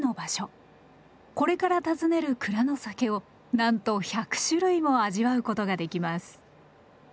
これから訪ねる蔵の酒をなんと１００種類も味わうことができます。